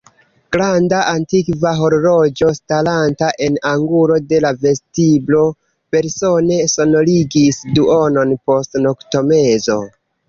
Granda, antikva horloĝo, staranta en angulo de la vestiblo, belsone sonorigis duonon post noktomezo.